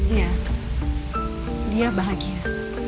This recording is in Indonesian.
iya dia bahagia